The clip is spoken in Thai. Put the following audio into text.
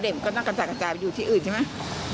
มันก็นักกระจัดกระจายไปอยู่ที่อื่นใช่ไหม